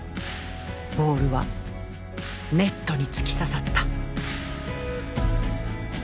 ボールはネットに突き刺さった。